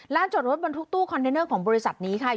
จอดรถบรรทุกตู้คอนเทนเนอร์ของบริษัทนี้ค่ะ